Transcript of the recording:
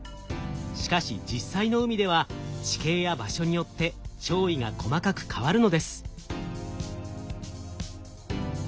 しかし実際の海では地形や場所によって潮位が細かく変わるのです。